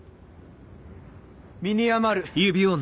身に余る。